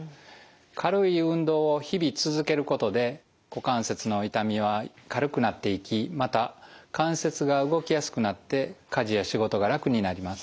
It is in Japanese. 軽い運動を日々続けることで股関節の痛みは軽くなっていきまた関節が動きやすくなって家事や仕事が楽になります。